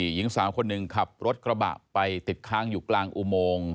หญิงสาวคนหนึ่งขับรถกระบะไปติดค้างอยู่กลางอุโมง